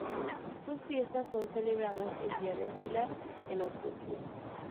Sus fiestas son celebradas el Día del Pilar, en octubre.